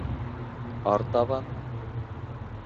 Артабан...